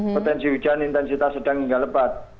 potensi hujan intensitas sedang hingga lebat